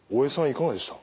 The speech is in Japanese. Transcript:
いかがでした？